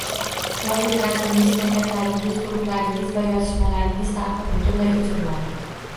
Profil rasmingiz, kontaktlaringiz, guruhlaringiz va yozishmalaringiz tarixi butunlay o’chiriladi